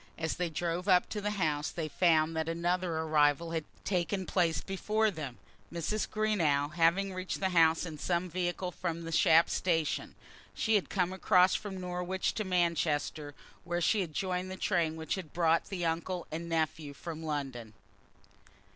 As they drove up to the old house, they found that another arrival had taken place before them, Mrs. Greenow having reached the house in some vehicle from the Shap station. She had come across from Norwich to Manchester, where she had joined the train which had brought the uncle and nephew from London.